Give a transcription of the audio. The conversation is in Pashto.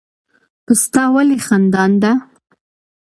پسته ولې خندان ده؟